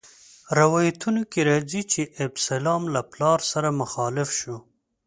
روایتونو کې راځي چې ابسلام له پلار سره مخالف شو.